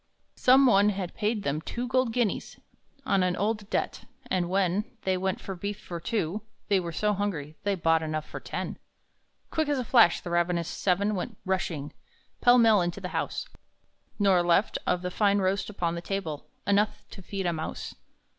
Some one had paid them two gold guineas On an old debt; and when They went for beef for two, they were so hungry They bought enough for ten. Quick as a flash the ravenous seven went rushing Pell mell into the house, Nor left, of the fine roast upon the table, Enough to feed a mouse.